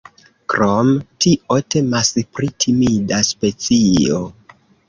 Krom tio temas pri timida specio.